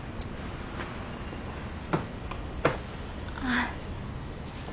ああ。